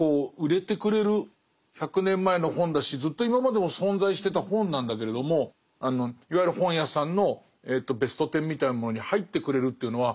１００年前の本だしずっと今までも存在してた本なんだけれどもいわゆる本屋さんのベスト１０みたいなものに入ってくれるというのは